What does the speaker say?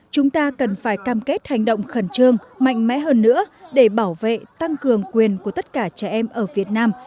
chúng ta cần phải cam kết hành động khẩn trương mạnh mẽ hơn nữa để bảo vệ tăng cường quyền của tất cả trẻ em ở việt nam